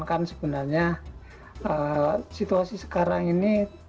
kan sebenarnya situasi sekarang ini